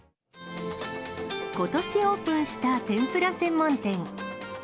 ことしオープンした天ぷら専門店。